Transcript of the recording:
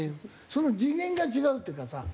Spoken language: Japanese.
その次元が違うっていうかさ。